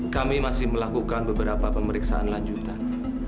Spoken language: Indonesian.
kami masih melakukan beberapa pemeriksaan lanjutan